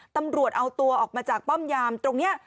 ตำรวจเอาตัวออกมาจากป้อมยามตรงนี้